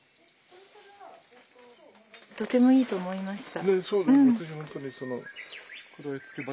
とてもいいと思いました。